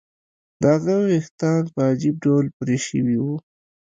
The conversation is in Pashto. د هغه ویښتان په عجیب ډول پرې شوي وو